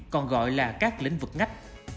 còn gọi là các lĩnh vực ngắt